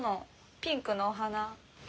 ピンクのお花。